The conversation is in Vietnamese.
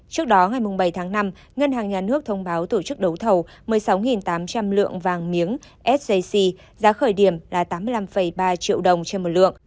trước đó ngày bảy tháng năm ngân hàng nhà nước thông báo tổ chức đấu thầu một mươi sáu tám trăm linh lượng vàng miếng sjc giá khởi điểm là tám mươi năm ba triệu đồng trên một lượng